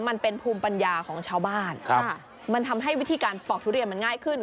มันเป็นภูมิปัญญาของชาวบ้านมันทำให้วิธีการปอกทุเรียนมันง่ายขึ้น